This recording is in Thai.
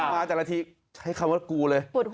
มาแต่ละทีใช้คำว่ากูเลย